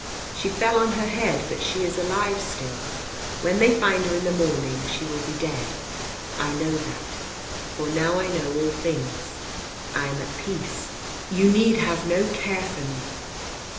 She fell on her head, but she is alive still. When they find her in the morning, she will be dead, I know that. For now I know all things. I am at peace. .. you need have no care for me.